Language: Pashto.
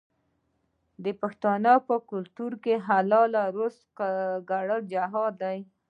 د پښتنو په کلتور کې د حلال رزق ګټل جهاد دی.